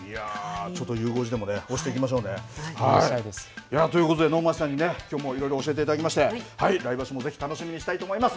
ちょっとゆう５時でも推していきましょうね。ということで能町さんにきょうもいろいろ教えていただきまして来場所もぜひ楽しみにしたいと思います。